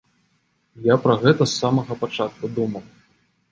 Я пра гэта з самага пачатку думаў.